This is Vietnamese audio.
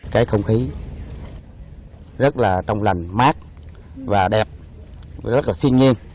cái không khí rất là trong lần mát và đẹp rất là xinh nghiêng